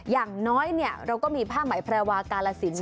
อย่างน้อยเราก็มีผ้าไหมแพรวากาลสิน